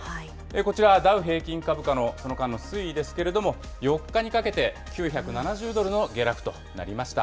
こちらはダウ平均株価のその間の推移ですけれども、４日にかけて９７０ドルの下落となりました。